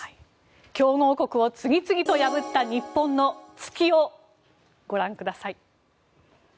強豪国を次々と破った日本の突きをご覧ください。